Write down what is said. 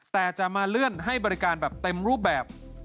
แต่จะกลับมาเลื่อนให้เต็มรูปแบบ